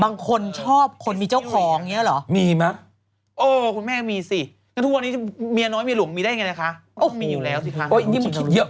บางคนชอบคนมีเจ้าของเหมือนงี้เหรอ